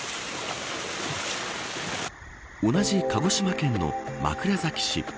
同じ鹿児島県の枕崎市。